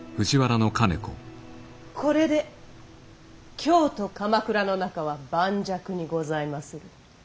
これで京と鎌倉の仲は盤石にございまする。